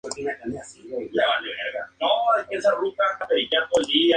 Su capital es la ciudad de Frauenfeld.